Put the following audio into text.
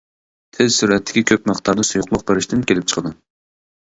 تېز سۈرئەتتىكى كۆپ مىقداردا سۇيۇقلۇق بېرىشتىن كېلىپ چىقىدۇ.